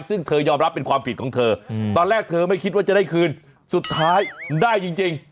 ซึ่งเธอยอมรับเป็นความผิดของเธอตอนแรกเธอไม่คิดว่าจะได้คืนสุดท้ายได้จริง